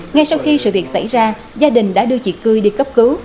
ngay sau khi sự việc xảy ra gia đình đã đưa chị cư đi cấp cứu